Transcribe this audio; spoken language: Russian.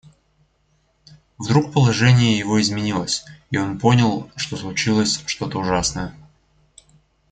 Вдруг положение его изменилось, и он понял, что случилось что-то ужасное.